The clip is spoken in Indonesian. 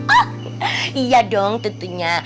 oh iya dong tentunya